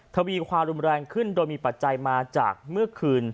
ทวีความรุนแรงขึ้นโดยมีปัจจัยมาจากเมื่อคืน